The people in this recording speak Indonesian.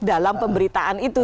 dalam pemberitaan itu